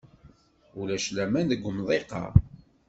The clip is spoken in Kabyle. Ulac laman deg umḍiq-a.